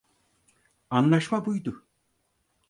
Anlaşma buydu.